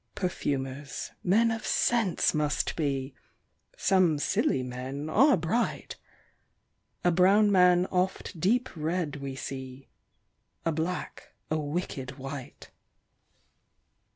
Perfumers, men of scents must be, some Scilly men are bright; A brown man oft deep read we see, a black a wicked wight.